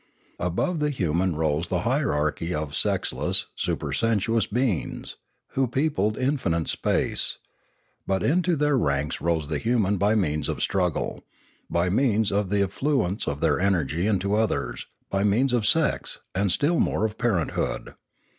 Above the human rose the hierarchy of sexless, supersensuous beings, who peopled infinite space; but into their ranks rose the human by means of struggle, by means of the effluence of their energy into others, by means of sex, and still more of parenthood.